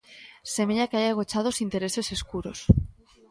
Semella que hai agochados intereses escuros.